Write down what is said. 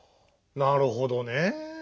なるほどねぇ。